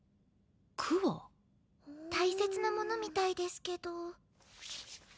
大切なものみたいですけど。